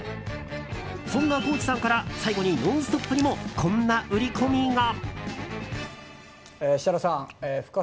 そんな高地さんから最後に「ノンストップ！」にもこんな売り込みが。